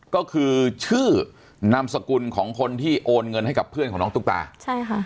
ก็คือชื่อนามสกุลของคนที่โอนเงินให้กับเพื่อนของน้องตุ๊กตาใช่ค่ะ